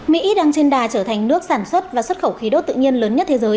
mỹ đang trên đà trở thành nước sản xuất và xuất khẩu khí đốt tự nhiên lớn nhất thế giới